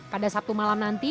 pada sabtu malam nanti